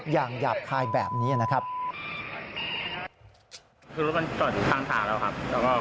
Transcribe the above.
อย่างหยาบคายแบบนี้นะครับ